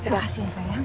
makasih ya sayang